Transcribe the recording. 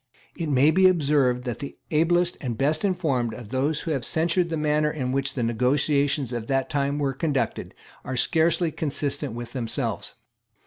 It may be observed that the ablest and best informed of those who have censured the manner in which the negotiations of that time were conducted are scarcely consistent with themselves.